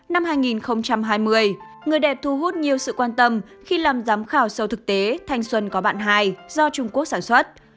năm hai nghìn hai mươi người đẹp thu hút nhiều sự quan tâm khi làm giám khảo sau thực tế thanh xuân có bạn hai do trung quốc sản xuất